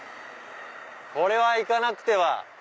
これは行かなくては！